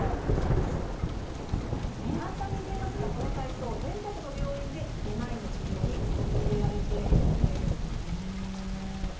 簡単に見えますがこの体操全国の病院でめまいの治療に取り入れられているんです。